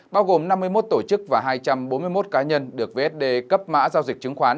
bao gồm năm mươi một tổ chức và hai trăm bốn mươi một cá nhân được vsd cấp mã giao dịch chứng khoán